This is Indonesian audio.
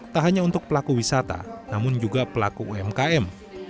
tak hanya untuk pelaku wisata namun juga pelaku umkm